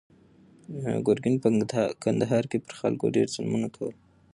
ګرګین په کندهار کې پر خلکو ډېر ظلمونه کول.